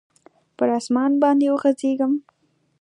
پر اسمان باندي وغځیږم